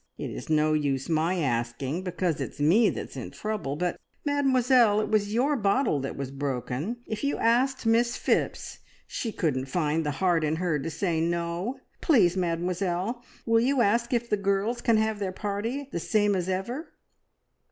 It is no use my asking, because it's me that's in trouble, but, Mademoiselle, it was your bottle that was broken. If you asked Miss Phipps, she couldn't find the heart in her to say no! Please, Mademoiselle, will you ask if the girls can have their party the same as ever?"